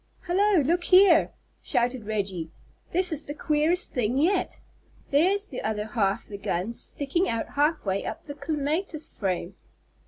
"Hallo, look here!" shouted Reggie. "This is the queerest thing yet. There's the other half the gun sticking out half way up the clematis frame!"